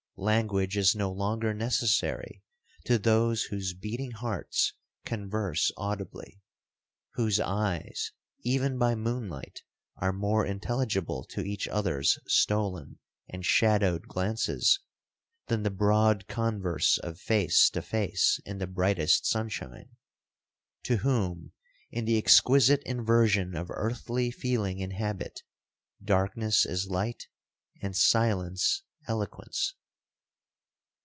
Language is no longer necessary to those whose beating hearts converse audibly—whose eyes, even by moonlight, are more intelligible to each other's stolen and shadowed glances, than the broad converse of face to face in the brightest sunshine—to whom, in the exquisite inversion of earthly feeling and habit, darkness is light, and silence eloquence.